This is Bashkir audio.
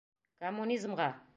Коммунизмға!